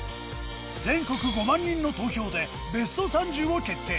全国５万人の投票で ＢＥＳＴ３０ を決定